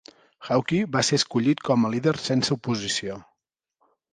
Hawke va ser escollit com a líder sense oposició.